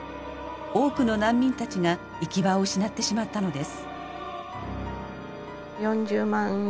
多くの難民たちが行き場を失ってしまったのです。